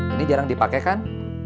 ini jarang dipake kan